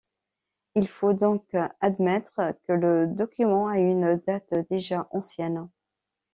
Il faut donc admettre que le document a une date déjà ancienne?